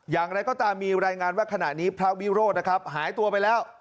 อย่างไรก็ตามมีรายงานว่าขณะนี้พระวิโรธนะครับหายตัวไปแล้ว